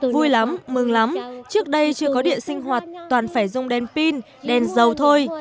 vui lắm mừng lắm trước đây chưa có điện sinh hoạt toàn phải dùng đèn pin đèn dầu thôi